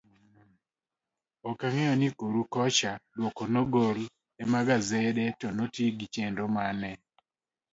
Okang'eyo ni koru kocha duoko nogol emagasede to noti gichenro mane.